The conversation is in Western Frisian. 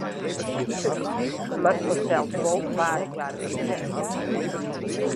It Frysk moat fansels wol waarboarge wurde.